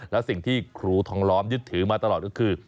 และสิ่งที่ครูทองล้อมยึดถือมาตลอดก็คือ